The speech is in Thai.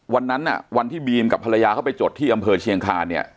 วันนั้นวันที่บีมกับภรรยาเขาไปจดที่อำเภอเชียงคานเนี่ย